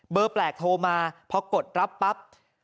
เบอร์แปลกโทรมาเพราะกดรับปั๊บ